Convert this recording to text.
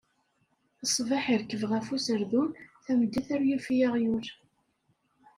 Ṣṣbeḥ irkeb ɣef userdun, tameddit ur yufi aɣyul.